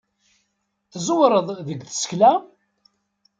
Tẓewreḍ deg tsekla.